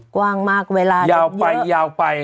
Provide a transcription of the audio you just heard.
กว้างมากเวลาจะเยอะยาวไป